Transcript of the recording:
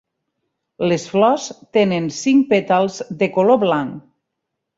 Les flors tenen cinc pètals de color blanc.